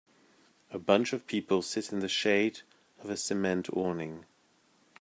A bunch of people sit in the shade of a cement awning.